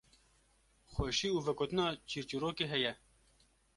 xweşî û vegotina çîrçîrokê heye